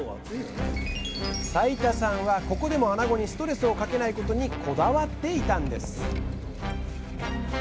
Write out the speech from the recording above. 齊田さんはここでもあなごにストレスをかけないことにこだわっていたんです